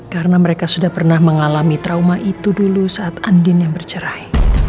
karena mereka sudah pernah mengalami trauma itu dulu saat andin yang bercerai